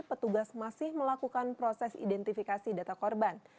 petugas masih melakukan proses identifikasi data korban